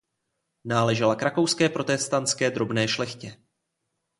Náležela k rakouské protestantské drobné šlechtě.